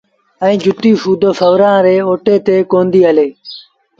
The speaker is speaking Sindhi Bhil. ائيٚݩ جُتيٚ سُڌو سُورآݩ ري اوٽي تي ڪونديٚ هلي